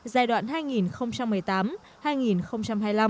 giai đoạn hai nghìn một mươi tám hai nghìn hai mươi năm